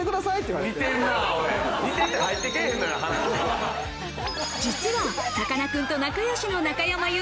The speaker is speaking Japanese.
さかなって実は、さかなクンと仲良しの中山優